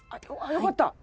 よかった。